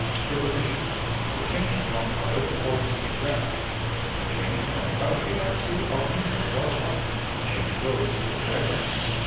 Prepositions: To change a home toilet for a street dress; to change from a caterpillar to or into a butterfly; to change clothes with a beggar.